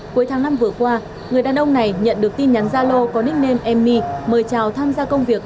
cuối tháng năm vừa qua người đàn ông này nhận được tin nhắn gia lô có nick name emmy mời chào tham gia công việc